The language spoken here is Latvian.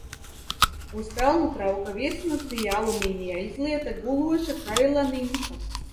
Uz pelnu trauka virsmas bija alumīnijā izlieta guloša kaila nimfa.